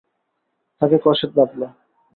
তাঁকে কষে বাঁধল।